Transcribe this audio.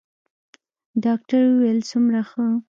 ډاکتر وويل څومره ښه.